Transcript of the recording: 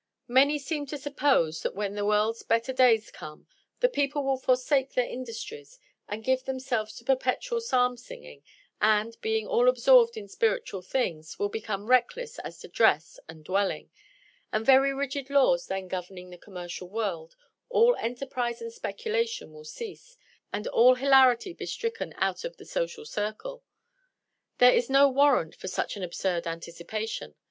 Many seem to suppose that when the world's better days come, the people will forsake their industries, and give themselves to perpetual psalm singing, and, being all absorbed in spiritual things, will become reckless as to dress and dwelling; and very rigid laws then governing the commercial world, all enterprise and speculation will cease, and all hilarity be stricken out of the social circle. There is no warrant for such an absurd anticipation.